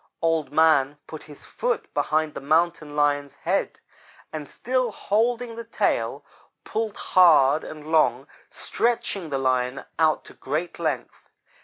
"Old man put his foot behind the Mountain lion's head, and, still holding the tail, pulled hard and long, stretching the Lion out to great length.